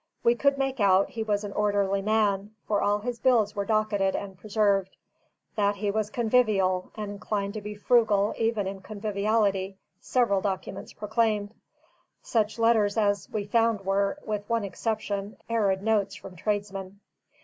We could make out he was an orderly man, for all his bills were docketed and preserved. That he was convivial, and inclined to be frugal even in conviviality, several documents proclaimed. Such letters as we found were, with one exception, arid notes from tradesmen.